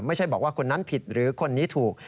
ไม่ใช่บอกว่าคนนั้นผิดหรือคนนี้ถูก